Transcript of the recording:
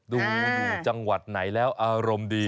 ดูอยู่จังหวัดไหนแล้วอารมณ์ดี